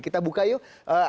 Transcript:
kita buka yuk